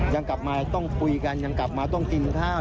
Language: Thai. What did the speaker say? ยังกลับมาต้องคุยกันยังกลับมาต้องกินข้าว